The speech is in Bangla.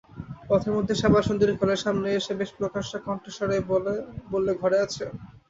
পথের মধ্যে শ্যামাসুন্দরী ঘরের সামনে এসে বেশ প্রকাশ্য কণ্ঠস্বরেই বললে, ঘরে আছ?